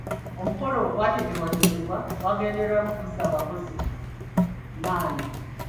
Omukolo ogwategekebwa gwagendererwamu kuzzaamu bakozi maanyi.